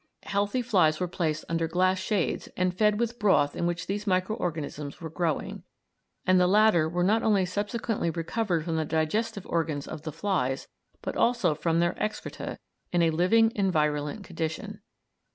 Healthy flies were placed under glass shades and fed with broth in which these micro organisms were growing, and the latter were not only subsequently recovered from the digestive organs of the flies but also from their excreta in a living and virulent condition.